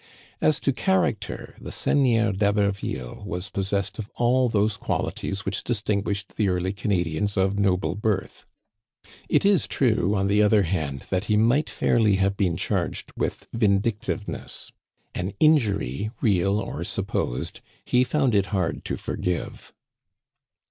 As to character, the Seigneur d'Haberville was pos sessed of all those qualities which distinguished the early Canadians of noble birth. It is true, on the other hand, that he might fairly have been charged with vindictive ness. An injury, real or supposed, he found it hard to forgive.